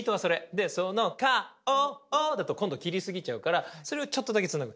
で「その顔を」だと今度切りすぎちゃうからそれをちょっとだけつなぐ。